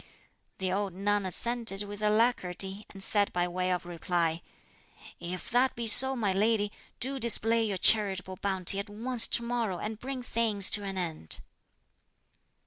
The old nun assented with alacrity, and said by way of reply, "If that be so, my lady, do display your charitable bounty at once to morrow and bring things to an end."